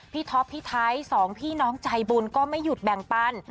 ท็อปพี่ไทยสองพี่น้องใจบุญก็ไม่หยุดแบ่งปัน